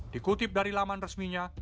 dikutip dari laman resminya